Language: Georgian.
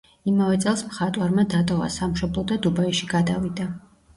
იმავე წელს მხატვარმა დატოვა სამშობლო და დუბაიში გადავიდა.